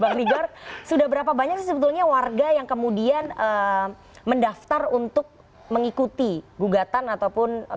bang tigor sudah berapa banyak sebetulnya warga yang kemudian mendaftar untuk mengikuti gugatan ataupun class action